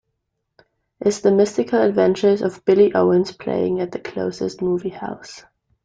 Is The Mystical Adventures of Billy Owens playing at the closest movie house